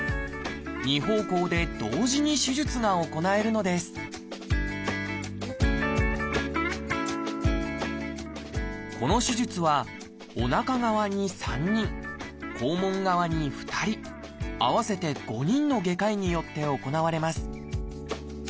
二方向で同時に手術が行えるのですこの手術はおなか側に３人肛門側に２人合わせて５人の外科医によって行われます